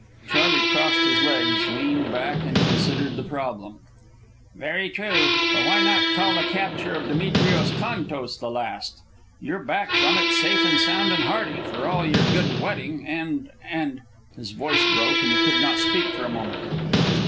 Charley crossed his legs, leaned back, and considered the problem. "Very true. But why not call the capture of Demetrios Contos the last? You're back from it safe and sound and hearty, for all your good wetting, and and " His voice broke and he could not speak for a moment.